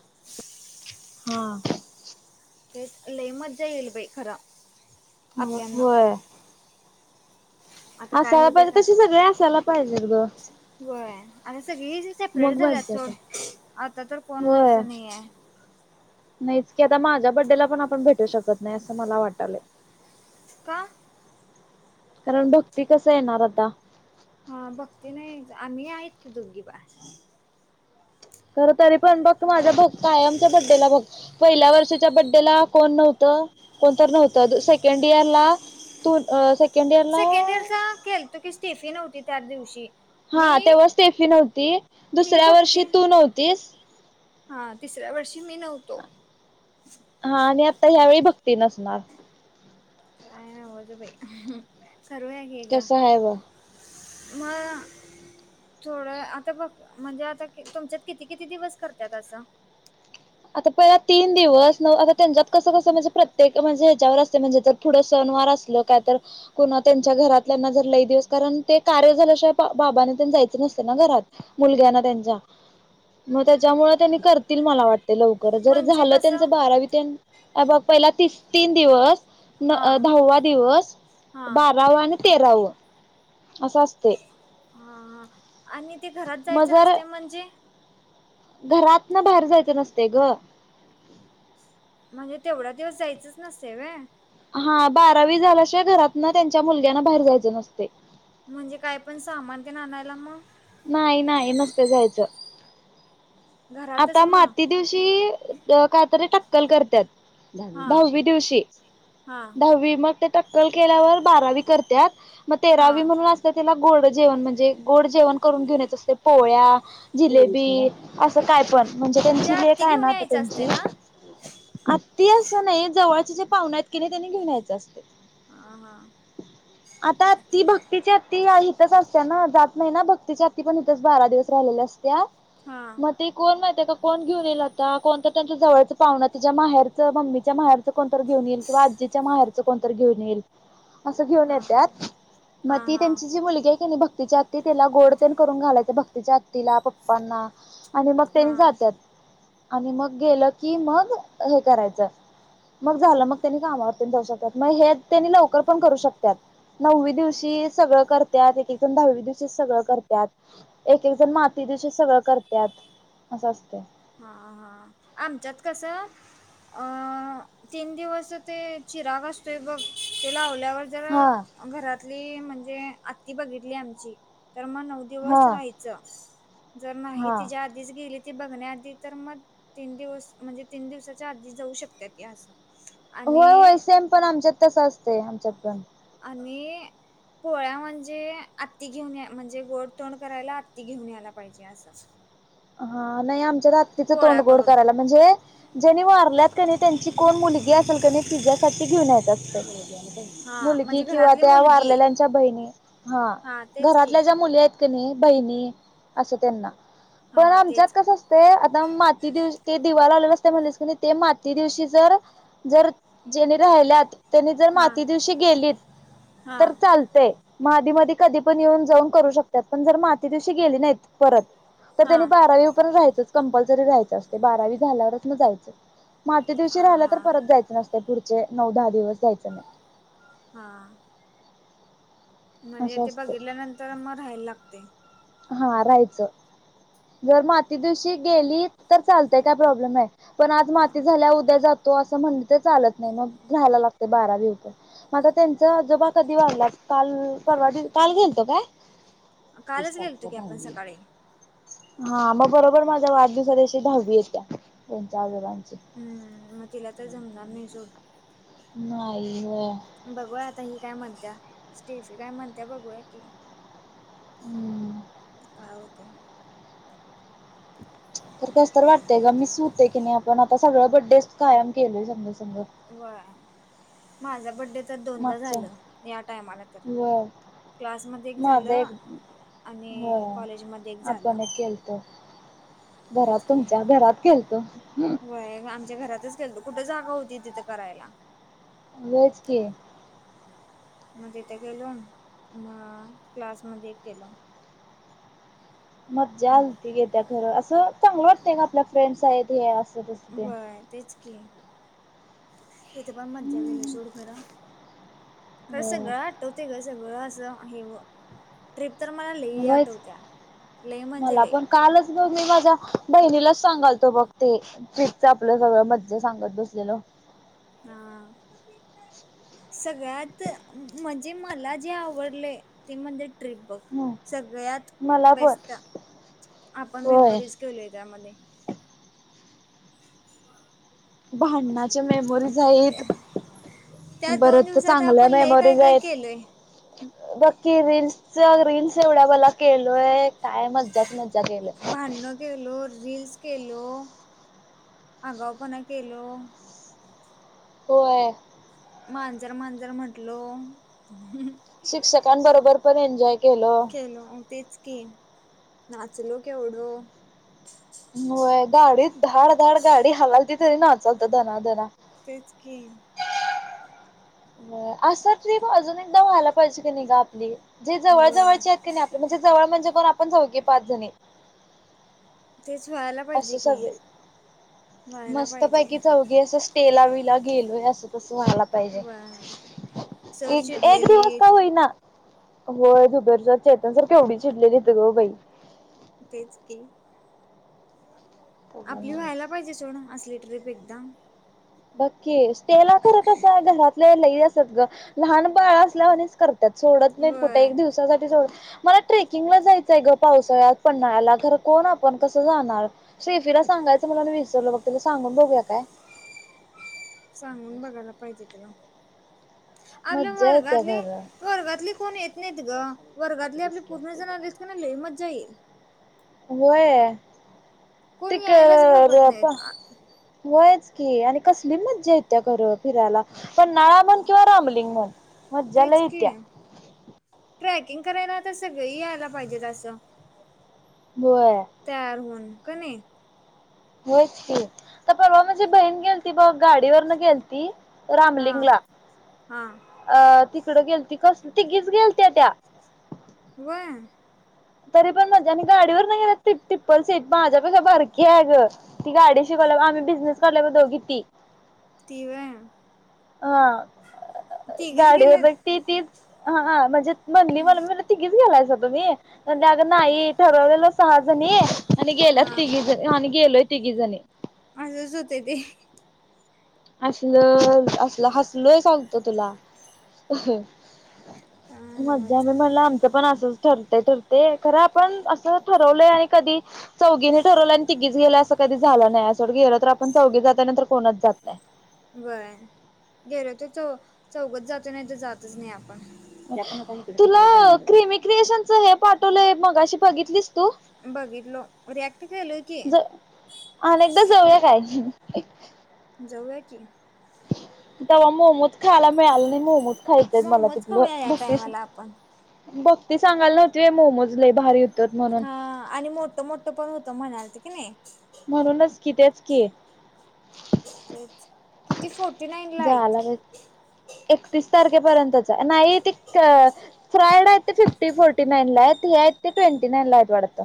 [inaudible] हा. तेच लई मज्जा येईल येईल बाई खरं. आपल्याना होय. आता काय असायला होते पाहिजे तसे सगळे असायला पाहिजे ग. हो आणि सगळी सेपरेट मग झालात मज्जा सोड येते. आता तर कोण होय असं नाही आहे. नाहीच की आता माझ्या बर्थडे पण आपण भेटू शकत नाही असं मला वाटलं. का? कारण भक्ती कसं येणार आता? हा भक्ती नाही आम्ही आहेत की दोघी बास. खरं तरी पण बघ माझ्या कायमच्या बर्थडे बघ. पहिल्या वर्षाच्या बर्थडे कोण नव्हतं कोणत नव्हतं सेकंड इयर ला तू अ सेकंड इयरचा केलतो की स्टिफी नव्हती त्या दिवशी. हा मी तेव्हा स्टेफी नव्हती मी दुसऱ्या बघते वर्षी तू नव्हतीस. हा तिसऱ्या वर्षी मी नव्हतो. हा आणि आता यावेळी भक्ती नसणार. काय नवचं बाई सर्व आहे की ग. कसं आहे बघ मग. थोडं आता बघ म्हणजे आता तुमच्यात किती किती दिवस करतात असं? आता पहिला तीन दिवस न आता त्यांच्यात कसं कसं म्हणजे प्रत्येक म्हणजे ह्याच्यावर असते म्हणजे पुढं सणवार असलं काय तर कुणा त्यांच्या घरातल्याना जर लई दिवस कारण ते कार्य झाल्याशिवाय बाबाने त्यां जायचं नसते ना घरात मुलग्याना त्यांच्या मग त्याच्यामुळे त्यांनी करतील मला वाट ते लवकर जर म्हणजे झालं त्यांच कसं बारावी तेन अ बग पहिला तीस तीन दिवस हा दहावा दिवस हा बारावा आणि तेराव असं असते. हा हा आणि ते घरात जायचं नसते म्हणजे? घरात ना बाहेर जायचं नसते ग. म्हणजे तेवढा दिवस जायचच नसते वय? हा बारावी झाल्याशिवाय घरातन त्यांच्या मुलग्यांन बाहेर जायचं नसते. म्हणजे काय पण सामान तेन आणायला मग नाही नाही नसतय जायचं घरातच आता मग माती दिवशी कायतरी टक्कल करत्यात हा दहावी दिवशी हा दहावी मग ते टक्कल केल्यावर बारावी करत्यात मग हा तेरावी म्हणून अ [unintelligible] त्या गोड जेवण म्हणजे गोड जेवण करून घेऊन यायचं असतय पोळ्या, जिलेबी अस काय हा पण म्हणजे ते त्यांची लेख आत्ती आहे ना घेऊन आता यायचं असते त्यांची ना आती असं नाही जवळचे जे पाहुण्यात की नाही त्यांनी घेऊन यायचं असतय हा हा आता आती भक्ती ची आती आई कस असतय ना जात नाही ना भक्तीच्या हाती पण इथेच बारा दिवस राहिलेल्या असत्या हा मग ते कोण माहिती आता कोण घेऊन येईल आता कोणत त्यांचं जवळचं पाहुण त्याच्या माहेरचं मम्मीच्या माहेरच [unintelligible] कोणतर घेऊन येईल किंवा आजीच्या माहेरच् कोणतर घेऊन येईल असं घेऊन हा येत्यात मग हा ती हा त्यांची जी मुलगी आहे का नाही भक्तीच्या ते त्याला गोड तेन पण करून घालायचं भक्तीच्या आत्तिला पप्पांना आणि मग तेनं हा जात्यात. आणि मग गेलं की मग हे करायचं. मग झालं मग त्यांनी कामावर पण जाऊ शकत्यात मग हे त्यांनी लवकर पण करू शकत्यात. नववी दिवशी सगळं करत्यात एक एकजन दहावी दिवशीच सगळं करत्यात. एक एक जण माती दिवशी सगळं करत्यात असं असतय. हा हा आमच्यात कस अ तीन दिवस ते चिराग असतोय बघ ते लावल्यावर जर हा घरातली म्हणजे अत्ति बघितली आमची तर मग नव हा दिवस राहायच जर नाही हा तीज्या आदिच गेलीती बघण्या ते तर म तीन दिवस म्हणजे तीन दिवसाच्या आधी जाऊ शकत्याती अस. व्हय व्हय सेम पण आमच्यात तस असतंय आमच्यात पण. आणि पोळ्या म्हणजे अत्ति घेऊन या म्हणजे गोड तोंड करायला आत्ति घेऊन यायला पाहिजे असं. हा नाय आमच्या आत्तीचं पोळ्या तोंड गोड करून करायला म्हणजे जेनी वारल्यात क नाय त्यांची कोण मुलगी असेल क नय तिच्यासाठी घीऊन यायच असतंय. हा मुलगी म्हणजे किंवा घरातली त्या मुलगी वारलेल्यांच्या बहिणी हा तेच की घरातल्या ज्या मुली आयत क नई बहिणी असं त्यांना हा पण आमच्यात तेच कस तय आता माती दिवशी ते दिवा ला आवले असते म्हणालीस क ते माती दिवशी जर जेनी राहिल्यात त्यांनी जर हा माती दिवशी गेलीत हा तर चालतंय. म आधी मधी कधी पण येऊन जाऊन करू शकत्यात. पण जर माती दिवशी गेली नायत परत तर हा त्यांनी बारावी पर्यंत राहीचच कंपल्सरी राहायचं असतय बारावी झाल्यावरच म जायचं. माती दिवशी हा राहिला तर हा परत जायचं नसत पुढचे नऊ दहा दिवस जायचं नाय हा. नाही म्हणजे असं ते असते बघितल्यानंतर म राहायला लागतय? हा राहायचं जर माती दिवशी गेली तर चालतंय काय प्रॉब्लेम नाय. पण आज माती झाल्याव उद्या जातो असं म्हणलं तर चालत नाय मग रायला लागते बारावी होय पर्यंत. म आता त्यांच आजोबा कधी वारल्यात काल परवा काल गेलतो काय? कालच गे [inaudible] हा मग बरोबर माझ्या वाढदिवसाशी दहावी येतीय त्यांच्या आजोबांची. हम्म, म तिला तर जमणार नाय सोड. नाय ग. बघूया आता ही काय म्हणतिया स्टेफी काय म्हणतिया बघूया की. हम्म. काय होतंय? तर कस तर वाटतय ग मिस होताय की नाय आपण आता सगळं बड्डेच कायम केलय संग संग. व्हय माझा बड्डे तर दोनदा मागच्या झालं या टायमाला तर. व्हय क्लासमध्ये एक झालं आणि व्हय. कॉलेजमध्ये एक झालं. आपण केलतो तेच घरात की तुमच्या घरात गेलतो. व्हय आमच्या घरातच गेलतो कुठं जागा होती तिथं करायला. व्हायचं की. म तिथं गेलो म क्लास मध्ये केला. मज्जा [inaudible] येतीया खर असं चांगलं वाटतंय ग आपल्या फ्रेंड्स आहेत हे अस. व्हय तेच की. तिथ पण मज्जा केली हम्म. सोड खरं. खरं होय सगळ तूं तिलां जवळं असं आहे व ट्रिप तरं मलां लेई आठवत्यां लेई म्हणजे लई कांलच मंग मी माझ्यां बहिणीला चं सांगालतो बघं ते फ्री च आपलं सगळं मज्जे सांगत बसलेलो हां हां सगळ्यांत म्हणजे मलां जे आवडले ते म्हणजे ट्रिप बघं हम्म. सगळ्यांत मला पण बेस्टं आपणं होय मेमरीज ठेवलेत्यां मध्ये भांडणाच्या मेमोरीज आहेत. अहं त्यांचं दोन परत दिवसांत चांगल्या आपणं लई कायं मेमोरीज कायं आहेत. केलंय बक्की रीलल्स रीलस एवढ्यां भल्यां केलोय कायं मज्जांच मज्जां केलोय भांडणं केल रीलस केलो आंगऊपणां केलो होयं मांजर मांजर म्हटलो हम्मं शिक्षकांबरोबर पण एन्जॉय केलो. केलो तेचं की नांचलो केवढो होयं गांडी धांड धांड गांडी हलांलती तरी नांचलतो धनांधनां तेचं की होयं असं ट्रीप अजूंन एकदाचं व्हायंला पाहिजे की नाहीं गं आपली जे जवळं व्हय जवळंची आहेतं कणी आपली म्हणजे जवळं म्हणजे कोणं आपणं चौघी पांच जणी तेचं व्हायंला असं सगळे मस्तं पाहिजे पैकी चवघी असं स्टेला विलां गेलोय असं तसं वहांयला पाहिजे व्हय सर एक एक दिवसं कां चिडलेलीत होईना होयं दुबेरच्यां स्टेवरं केवढी चिडलेली होती गं बाई तेचं की काय आपली नव्हच व्हांयला पाहिजे चलं असली ट्रीप एकदाचं बघं की स्टेला खरं तसं घरातले लई असतं ग लहांन बाळं असल्यांवाणी करतांत त्यांत सोडतं नाहींत कुंठे व्हय एक दिवसांसाठी सोंड मलां ट्रेकिंगला जायचंय गं पावसाळ्यांत पन्हाळ्यांला खरं कोणं आपणं कसं जाणारं शेफीला सांगायचं म्हणूंन विसरलं बघं तिलां सांगून बघूंया कायं सांगून बघांयला पाहिजे तिलां आपल्यां मज्जा येत्या वर्गातली खरं वर्गातले कोणं येतं नाहींत गं वर्गातले आपले पूर्ण जणं आलेत की नाहीं लई मज्जां येईल होयं ते कोण यायलाच बघत करं नाहीत आ होयंच की आणि कसली मज्जां येतं खरं फिरांयला पन्हांळा पन्हांळा किंवा रामलिंग म्हंण मज्जां तेच लई येत्यां की ट्रॅकिंग करांयला आंता सगळी यांयला पाहिजेत असं होयं तयार होऊंन कां नाहीं होयंच की तरं पर्वा माझी बहीण गेलं ती बंग गांडीवरूंन गेलं ती हा रामलिंगला हा अं तिकडं गेलती कसं तिघीचं गेलंत्यां त्यां व्हंय तरी पणं म्हणजे गांडीवर नाहीं टिप्पल सीट माझ्यांपेक्षा बारक्या आहे अंग ती गांडी शिकवलं आम्ही बिझनेस काढलोय बघं दोघी ती ती होयं हां तिघीच गांडीवर गेलेत भेटते तीचं हां म्हणजे म्हणली मला मी म्हणलं तिघीच गेलायसा तुम्ही? म्हणल अगं नाही ठरवलेलं सहाजणी आणि हा गेल्यात तिघी जणी आणि गेलोय तिघी जणी. असंच होतय ते. असल -असल हसलोय सांगतो तुला. हा मज्जा नव्हच मी म्हणलं आम्ही आमचं पण असंच ठरतय ठर ते खरं आपण असं ठरवलं आणि कधी चौघीन ठरवलं आणि तिघीच गेलं अस कधी झालं नाही सोड गेलं तर आपण चौघी जाताय नाही तर कोणच जात नाही होय गेलो तर चौ चौघच जातोय नाही तर जातच नाही आपण. तुला क्रिमी क्रिएशनच हे पाठवलंय मगाशी बघितलीस? तू बघितलो रिॲक्ट केलंय की. ज अनेकदा जाऊया काय? जाऊया की. तवा मोमोज खायला मिळालं नाही मोमोज खायच आहेत मला मोमोज तिथलं खाऊया या भक्तीच टायमाला आपण भक्ती सांगाली नव्हती होय मोमोज लय भारी होतत म्हणू हा आणि मोठ मोठं पण होतं म्हणालती की नाही? म्हणूनच की तेच की तेच किती फोर्टी नाईन ला हाईत. जायला एकतीस तारखेपर्यंतच हाच. नाही ते फ्रायड आहे ते फिफ्टी फोर्टी नाईनला आहेत हे आहेत ते ट्वेंटी नाईनला आहेत वाटतं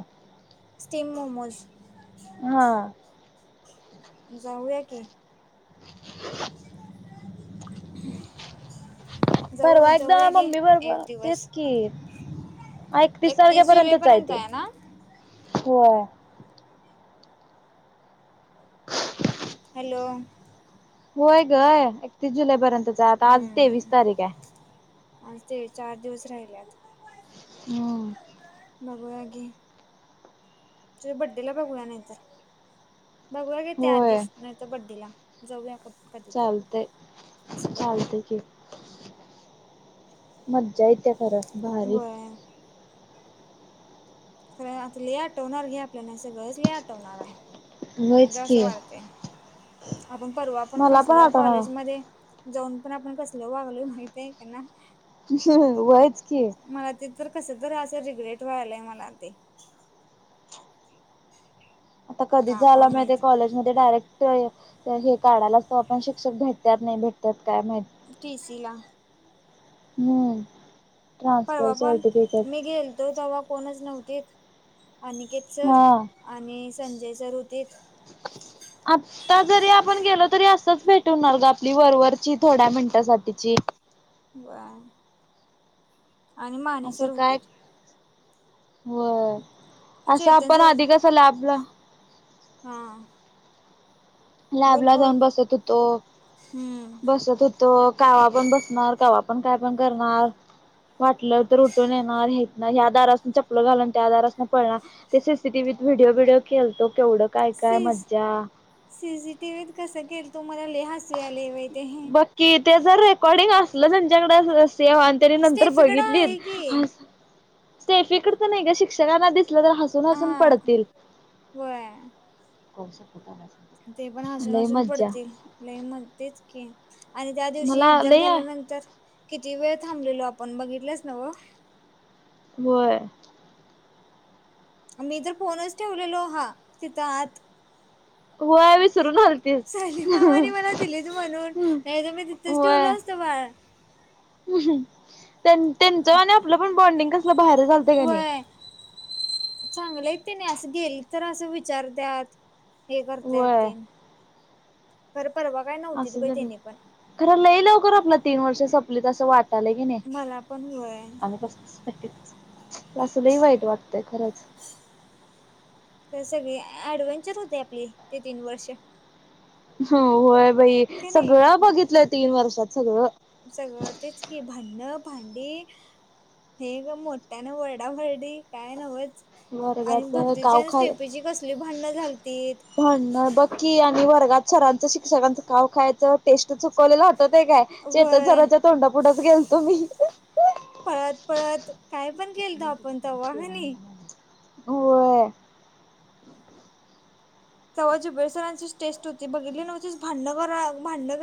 स्टीम मोमोज हा. जाऊया की. [inaudible] परवा जाऊ एकदा जाऊया की मम्मी एक बरोबर दिवस तेच की. ऐकतीस तारखे‌ एकतीस पर्यंतच आहे जुलैपर्यंत ते. ना होय. [inaudible] हॅलो! होय ग. एकतीस जुलै पर्यंतच हाय. आता आज तेवीस हम्म तारीख हाय. आज तेवीस चार दिवस राहिल्यात. ह. बघुया घे. तुझ्या बड्डेला बघूया नाहीतर बघूया घे त्या होय आधीच नाही तर बड्डेला जाऊया आपण. चालतय चालतंय कि मज्जा ये येत्या खर भारी वय खरं आता लय आठवणार घे आपल्याणा सगळंच लय आठवणार आहे. मला व्हयच तर असं की वाटतय आपण परवा पण मला कसल्या आठवना कॉलेज मध्ये जाऊन पण आपण कसल वागलोय माहित आहे का ना वयच की - मला ते तर कसं तर असं रिग्रेट व्हायलाय मला ते आता कधी का का जायला मिळतय माहित कॉलेज म ते डायरेक्ट हे - हे काढायला तवा पण शिक्षक भेटत्यात नाही भेटत्यात काय माहित? टि सी ला. हम्म. परवा ट्रान्सफर पण मी सर्टिफिकेट गेलतो तवा कोणच नव्हतीत अनिकेत सर हा आणि संजय सर होतीत. आत्ता जरी आपण गेलो तरी असच भेट हुणार ग आपली वरवरची थोड्या मिनिटासाठीची. व्हय आणि असं मानेसर काय होतीत होय असं चेतन आपण सर आधी कस लॅबला हा. लॅब बोल ला बोल जाऊन बसत होतो हम्म बसत होत- तो कावा पण बसणार कवा पण काय पण करणार वाटलं तर उठून येणार हे ह्या दारासन चपलं घालण आणि त्या दारासन पळणार ते सीसीटीव्हीत व्हिडीओ बीडीओ केलतो केवढं. काय काय सीस मज्जा सीसीटीव्हीत कसं केलतो मला लय हसू यायलंय बाई. ते बघ कि ते जर रेकॉर्डिंग असलं त्यांच्याकड सेव आणि त्यानी नंतर स्टेफीकडं बघितलीत आहे की हसा स्टेफीकडचं नाही ग शिक्षकांना दिसलं तर हसून हसून हा पडतील. होय करू शकतो कामाचं. ते पण हसून हसून पडतील लय मण तेच की. आणि त्या दिवशी मला एक्झाम लय झाल्यानंतर किती वेळ थांबलेलो आपण बघितल्यास न्हवं. होय. मी तर फोनच ठेवलेलो हा तिथं आत. होय वि सलीम मामानी मला दिलीत म्हणून हम्म नाही तर मी तिथंच ठेवलो असतो बाळा. त्यां त्यांच्या आणी आपलं पण बॉन्डिंग कसलं भारी झालत क नाही. चांगलं आहेत कणी असं गेल तर असं विचारत्यात. हे करत्यात होय तेन खरं परवा काय नव्हतीत असं बाई झालं त्यनी पण. खरं लई लवकर आपल तीन वर्ष संपलीत असं वाटालंय की नाही. होय. आम्ही कसं कसं वाटतंय तसं असं लय वाईट वाटतंय खरंच. तर सगळी ॲडव्हेंचर होते आपले ते तीन वर्ष. हं होय बाई का नाही सगळं बघितलंय तीन वर्षात सगळं. सगळं तेच की भांडण भांडी हे ग मोठ्याने वरडावरडी काय न्हवंच. आणि वर्गातलं भक्तीची काव आणि खाय स्टेपोची कसली भांडणं झालतीत. कि आणि वर्गात सरांचं शिक्षकांच काव खायाचं टेस्ट चुकवलेलं आठवतंय काय? चेतन व्हय सराच्या तोंडापुढंच गेलतो मी. पळत पळत काय पण केेलत आपण तवा कणी. होय. [inaudible] तवा जिबळे सरांचीच टेस्ट होती बघितली नव्हतीस भांडण करा भांडण क